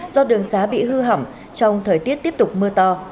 do đường xá bị hư hỏng trong thời tiết tiếp tục mưa to